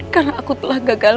karena aku telah gagal